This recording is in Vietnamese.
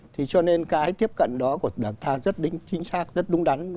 thì cho nên cái tiếp cận đó của đảng ta rất đính chính xác rất đúng đắn